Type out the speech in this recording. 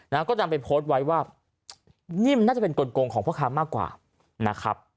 แล้วก็นำไปโพสต์ไว้ว่านิ่มน่าจะเป็นกลงของพ่อค้ามากกว่านะครับ